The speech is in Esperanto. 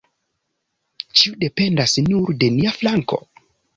Ĉio dependas nur de nia flanko.